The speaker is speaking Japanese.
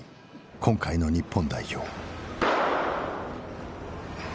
今回の日本代表。